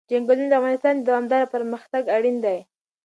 چنګلونه د افغانستان د دوامداره پرمختګ لپاره اړین دي.